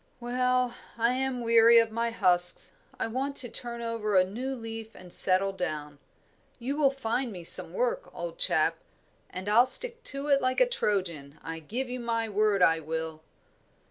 "Well, I am weary of my husks, I want to turn over a new leaf and settle down. You will find me some work, old chap, and I'll stick to it like a Trojan, I give you my word I will."